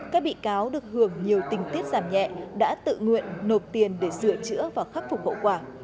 các bị cáo được hưởng nhiều tình tiết giảm nhẹ đã tự nguyện nộp tiền để sửa chữa và khắc phục hậu quả